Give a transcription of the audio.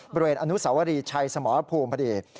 บริเวณอนุสวรีชัยสมรภูมิพอดี